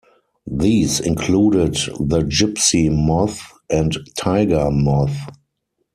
These included the Gipsy Moth and Tiger Moth.